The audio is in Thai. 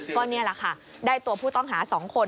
ก็นี่แหละค่ะได้ตัวผู้ต้องหา๒คน